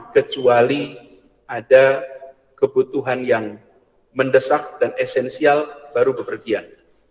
kecuali ada kebutuhan yang mendesak dan esensial baru bepergian